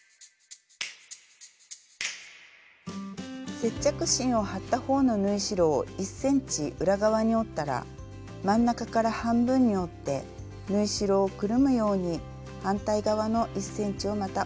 接着芯を貼ったほうの縫い代を１ｃｍ裏側に折ったら真ん中から半分に折って縫い代をくるむように反対側の１ｃｍをまた折っておきます。